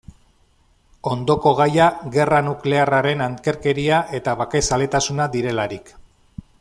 Ondoko gaia, gerra nuklearraren ankerkeria eta bakezaletasuna direlarik.